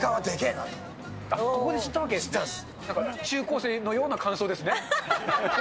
中高生のような感想ですね。